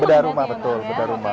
bedah rumah betul bedah rumah